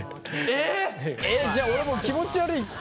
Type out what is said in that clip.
えっじゃあ俺もう気持ち悪い？